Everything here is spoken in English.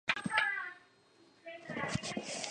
She is the giver and taker of goods and property.